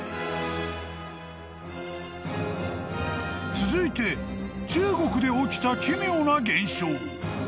［続いて中国で起きた奇妙な現象］